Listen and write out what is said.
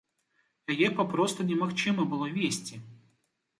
Яе папросту немагчыма было весці!